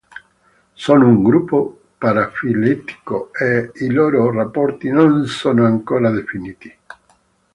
Sono un gruppo parafiletico e i loro rapporti non sono ancora definiti.